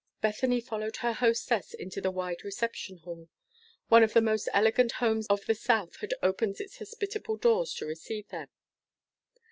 Bethany followed her hostess into the wide reception hall. One of the most elegant homes of the South had opened its hospitable doors to receive them.